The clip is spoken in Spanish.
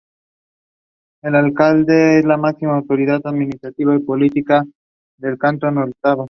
El Alcalde es la máxima autoridad administrativa y política del Cantón Otavalo.